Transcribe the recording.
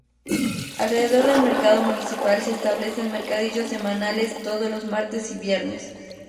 Alrededor del mercado municipal se establecen mercadillos semanales todos los martes y viernes.